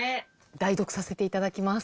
代読させていただきます。